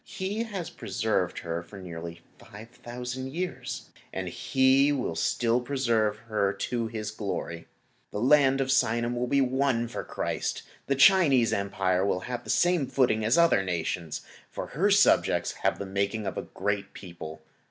He has preserved her for nearly 5,000 years, and He will still preserve her to His glory. The Land of Sinim is to be won for Christ. The Chinese Empire will then have the same footing as other nations, for her subjects have the making of a great people.